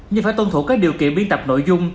nhưng phải tuân thủ các điều kiện biên tập nội dung